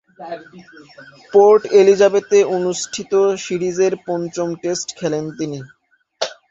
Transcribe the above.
Port এলিজাবেথে অনুষ্ঠিত সিরিজের পঞ্চম টেস্ট খেলেন তিনি।